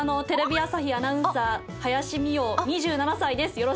テレビ朝日アナウンサー林美桜２７歳です。